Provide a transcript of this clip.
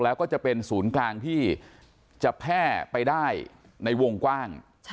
แล้วก็จะเป็นศูนย์กลางที่จะแพร่ไปได้ในวงกว้าง